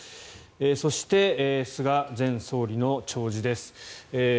そして、菅前総理の弔辞です。